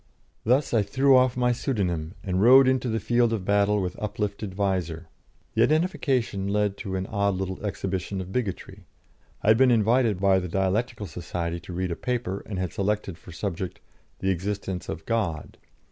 '" Thus I threw off my pseudonym, and rode into the field of battle with uplifted visor. The identification led to an odd little exhibition of bigotry. I had been invited by the Dialectical Society to read a paper, and had selected for subject, "The Existence of God."